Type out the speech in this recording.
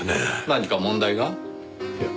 何か問題が？いや。